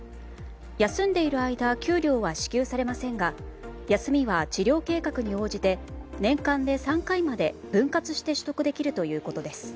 休んでいる間給料は支給されませんが休みは治療計画に応じて年間で３回まで分割して取得できるということです。